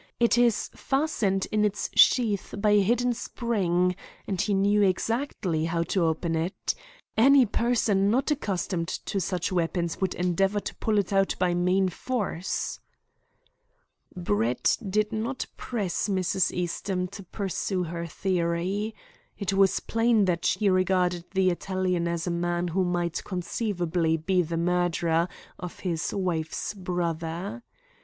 It is fastened in its sheath by a hidden spring, and he knew exactly how to open it. Any person not accustomed to such weapons would endeavour to pull it out by main force." Brett did not press Mrs. Eastham to pursue her theory. It was plain that she regarded the Italian as a man who might conceivably be the murderer of his wife's brother.